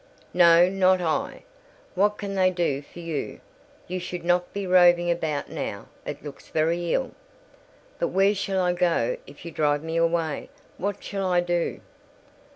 "No, not I. What can they do for you? You should not be roving about now; it looks very ill." "But where shall I go if you drive me away? What shall I do?"